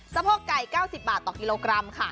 โพกไก่๙๐บาทต่อกิโลกรัมค่ะ